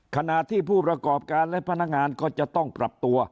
ขณะที่ผู้ประกอบการและพนักงานก็จะต้องปรับตัว